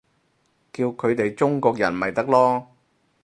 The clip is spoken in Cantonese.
叫佢哋中國人咪得囉